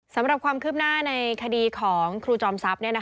สำหรับความคืบหน้าในคดีของครูจอมทรัพย์